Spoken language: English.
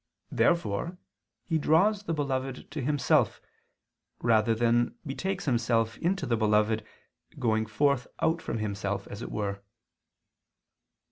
Therefore he draws the beloved to himself, rather than betakes himself into the beloved, going forth out from himself as it were.